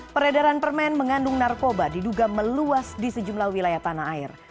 peredaran permen mengandung narkoba diduga meluas di sejumlah wilayah tanah air